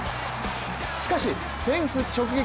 しかしフェンス直撃。